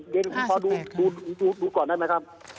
เดี๋ยวขอดูดูก่อนได้ไหมครับ